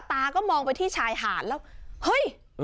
ตาก็มองไปที่ชายหาดแล้วเฮ้ย